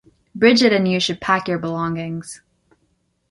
Bridget and you should pack your belongings.